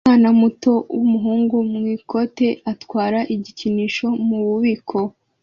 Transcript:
Umwana muto wumugabo mwikoti atwara igikinisho mububiko